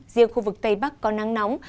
riêng khu vực tây bắc có nắng nóng